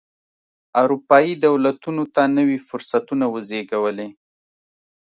اروپايي دولتونو ته نوي فرصتونه وزېږولې.